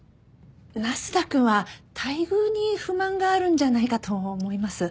那須田くんは待遇に不満があるんじゃないかと思います。